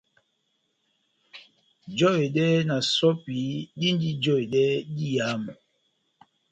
Jɛhedɛ na sɔ́pi dindi jɔhedɛ diyamu.